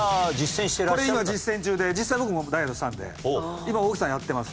これ今実践中で実際僕もダイエットしたんで今奥さんやってます